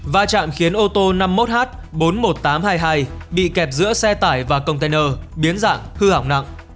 và chạm khiến ô tô năm mươi một h bốn mươi một nghìn tám trăm hai mươi hai bị kẹp giữa xe tải và container biến dạng hư hỏng nặng